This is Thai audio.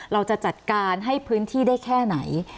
เราจะจัดการให้พื้นที่ได้แค่ไหน